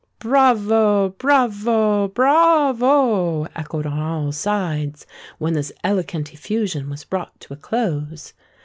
"Bravo!" "Brayvo!" "Bra ah vo!" echoed on all sides, when this elegant effusion was brought to a close.